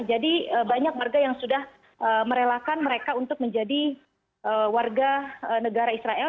banyak warga yang sudah merelakan mereka untuk menjadi warga negara israel